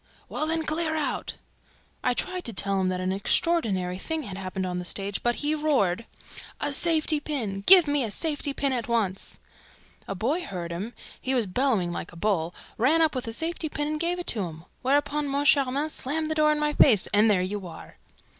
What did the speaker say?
'Well, then, clear out!' I tried to tell him that an unheard of thing had happened on the stage, but he roared, 'A safety pin! Give me a safety pin at once!' A boy heard him he was bellowing like a bull ran up with a safety pin and gave it to him; whereupon Moncharmin slammed the door in my face, and there you are!"